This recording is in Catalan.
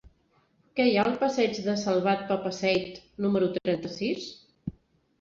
Què hi ha al passeig de Salvat Papasseit número trenta-sis?